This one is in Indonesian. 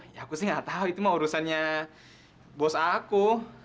ya aku sih gak tahu itu mah urusannya bos aku